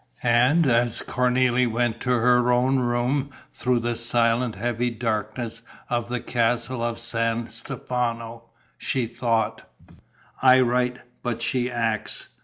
And, as Cornélie went to her own room through the silent heavy darkness of the Castle of San Stefano, she thought: "I write, but she acts.